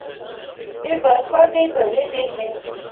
اے برفا دے بھرے دے ہن۔